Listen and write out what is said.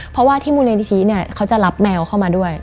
เพราะว่าที่มูลนิธิเนี่ยเขาจะรับแมวเข้ามาด้วย